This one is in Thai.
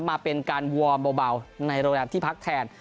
มาเป็นการวอร์มเบาในโรงแรมที่พักแทน